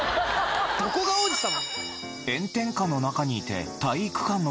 どこが王子様。